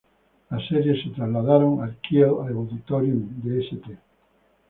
Las series se trasladaron al Kiel Auditorium de St.